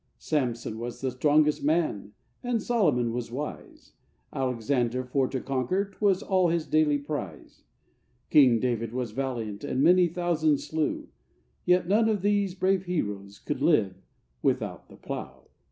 Samson was the strongest man, and Solomon was wise, Alexander for to conquer 'twas all his daily prise; King David was valiant, and many thousands slew, Yet none of these brave heroes could live without the plough!